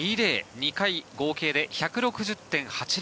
２回、合計で１６０，８０。